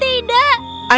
tidak auburn tidak